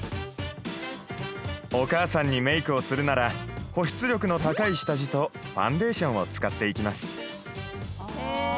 お母さんにメイクをするなら保湿力の高い下地とファンデーションを使っていきます